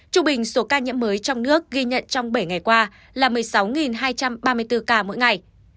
trung bình số ca nhiễm mới trong nước ghi nhận trong bảy ngày qua là một mươi sáu hai trăm ba mươi bốn ca mỗi ngày